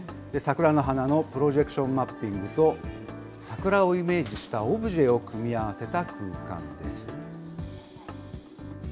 桜の花のプロジェクションマッピングと、桜をイメージしたオブジェを組み合わせた空間です。